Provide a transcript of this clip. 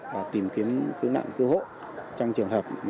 và cứu hộ trong trường hợp